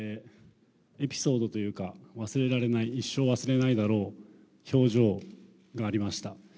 エピソードというか、忘れられない、一生忘れられないだろう表情がありました。